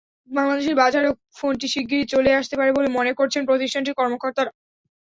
বাংলাদেশের বাজারেও ফোনটি শিগগিরই চলে আসতে পারে বলে মনে করছেন প্রতিষ্ঠানটির কর্মকর্তারা।